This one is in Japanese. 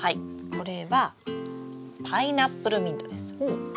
これはパイナップルミントです。